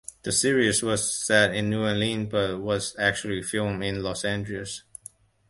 The series was set in New Orleans, but was actually filmed in Los Angeles.